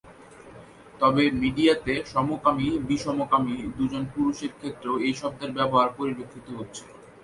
তবে মিডিয়াতে সমকামী-বিষমকামী দুজন পুরুষের ক্ষেত্রেও এই শব্দের ব্যবহার পরিলক্ষিত হচ্ছে।